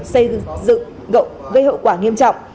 xây dựng gậu gây hậu quả nghiêm trọng